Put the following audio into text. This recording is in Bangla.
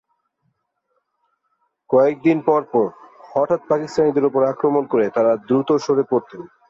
কয়েক দিন পর পর হঠাৎ পাকিস্তানিদের ওপর আক্রমণ করে তাঁরা দ্রুত সরে পড়তেন।